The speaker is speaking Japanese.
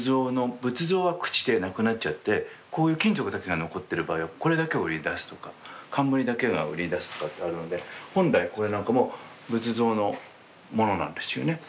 仏像は朽ちてなくなっちゃってこういう金属だけが残ってる場合はこれだけを売りに出すとか冠だけが売りに出すとかってあるので本来これなんかも仏像のものなんですよね。